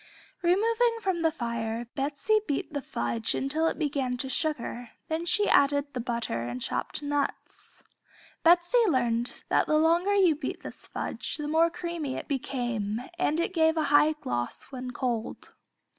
Removing from the fire, Betsey beat the fudge until it began to sugar, then she added the butter and chopped nuts. Betsey learned that the longer you beat this fudge the more creamy it became and it gave a high gloss when cold.